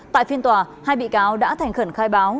tại phiên tòa hai bị cáo đã thành khẩn khai báo